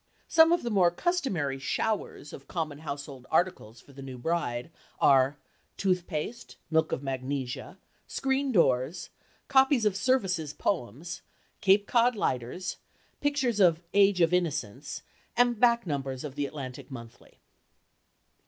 Some of the more customary "showers" of common household articles for the new bride are toothpaste, milk of magnesia, screen doors, copies of Service's poems, Cape Cod lighters, pictures of "Age of Innocence" and back numbers of the "Atlantic Monthly."